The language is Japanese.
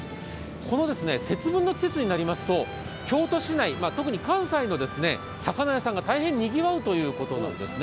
この節分の季節になりますと京都市内、特に関西の魚屋さんが大変にぎわうということなんですね。